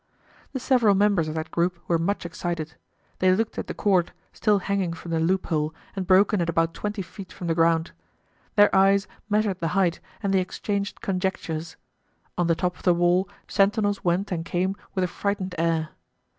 The several members of that group were much excited. They looked at the cord, still hanging from the loophole and broken at about twenty feet from the ground. Their eyes measured the height and they exchanged conjectures. On the top of the wall sentinels went and came with a frightened air.